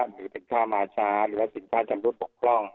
หรือเป็นค่ามาช้าหรือสินค้าจำนวดปกป้อง